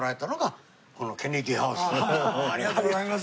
ありがとうございます。